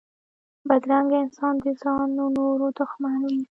بدرنګه انسان د ځان و نورو دښمن وي